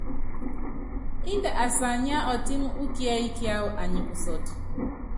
Índɛ asianyíá ɔtɛ́m ukiɛ́yi kiáwɔ, anyi kusɔt.